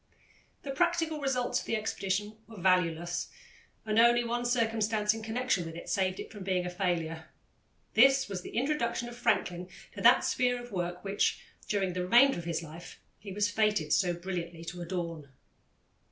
The practical results of the expedition were valueless, and only one circumstance in connection with it saved it from being a failure. This was the introduction of Franklin to that sphere of work which, during the remainder of his life, he was fated so brilliantly to adorn.